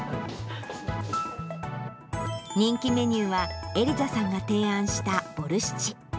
人気メニューは、エリザさんが提案したボルシチ。